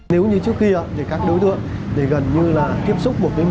nếu như trước khi các đối tượng gần như là tiếp xúc một với một